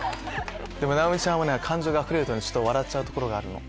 直美ちゃんは感情があふれると笑っちゃうところがあるの。